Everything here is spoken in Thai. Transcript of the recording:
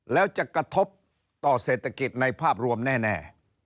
แล้วจะกระทบต่อเศรษฐกิจในภาพรวมแน่